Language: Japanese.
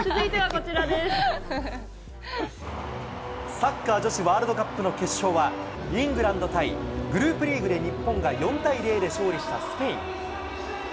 サッカー女子ワールドカップの決勝は、イングランド対グループリーグで日本が４対０で勝利したスペイン。